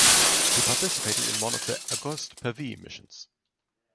He participated in one of the Auguste Pavie missions.